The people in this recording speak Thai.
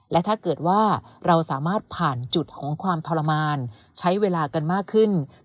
และถ้าเกิดว่าเราสามารถผ่านจุดของความทรมาน